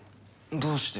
どうして？